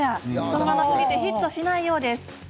そのまますぎてヒットしない！